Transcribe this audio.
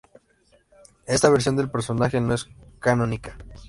Esta versión del personaje no es canónica.